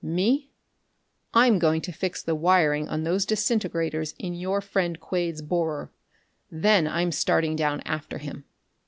"Me? I'm going to fix the wiring on those disintegrators in your friend Quade's borer. Then I'm starting down after him."